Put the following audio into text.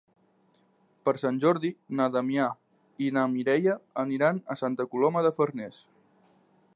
Per Sant Jordi na Damià i na Mireia aniran a Santa Coloma de Farners.